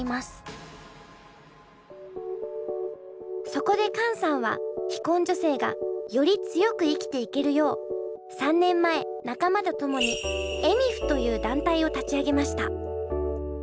そこでカンさんは非婚女性がより強く生きていけるよう３年前仲間と共にｅｍｉｆという団体を立ち上げました。